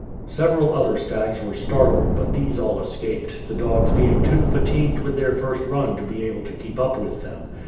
Several other stags were startled, but these all escaped, the dogs being too fatigued with their first run to be able to keep up with them.